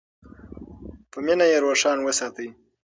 په مینه یې روښانه وساتئ.